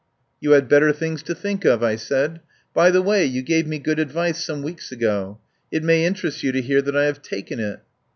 "You had better things to think of," I said. "By the way, you gave me good advice some weeks ago. It may interest you to hear that I have taken it."